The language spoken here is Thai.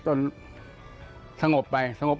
สงบไปสงบ